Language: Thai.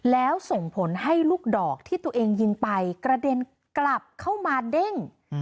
แล้วส่งผลให้ลูกดอกที่ตัวเองยิงไปกระเด็นกลับเข้ามาเด้ง